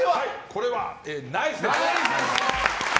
これはナイスでございます。